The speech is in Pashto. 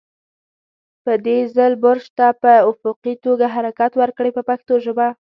په دې ځل برش ته په افقي توګه حرکت ورکړئ په پښتو ژبه.